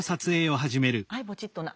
はいポチッとな。